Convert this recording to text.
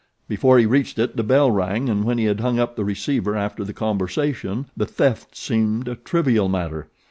Before he reached it the bell rang, and when he had hung up the receiver after the conversation the theft seemed a trivial matter.